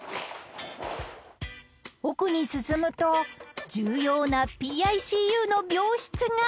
［奥に進むと重要なＰＩＣＵの病室が］